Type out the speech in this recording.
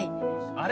あれ？